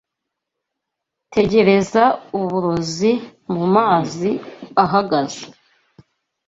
Tegereza uburozi mumazi ahagaze